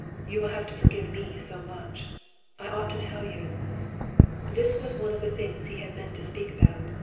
You will have to forgive me so much. I ought to tell you...." This was one of the things he had meant to speak about.